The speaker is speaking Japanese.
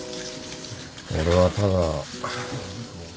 俺はただ。